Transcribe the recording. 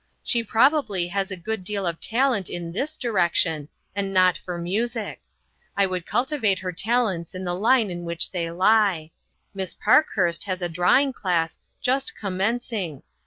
She probably has a good deal of talent in this direction, and not for music ; I would cultivate her talents in the line in which they lie. Miss Parkhurst has a drawing class just commenc ing.